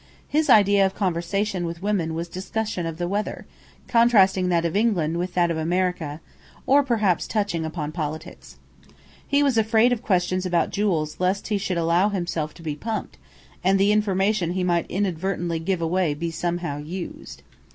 His idea of conversation with women was a discussion of the weather, contrasting that of England with that of America, or perhaps touching upon politics. He was afraid of questions about jewels lest he should allow himself to be pumped, and the information he might inadvertently give away be somehow "used."